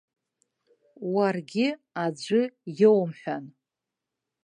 Уаргьы аӡәы иоумҳәан.